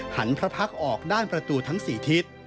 พระพักษ์ออกด้านประตูทั้ง๔ทิศ